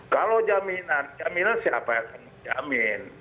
kalau jaminan jaminan siapa yang akan menjamin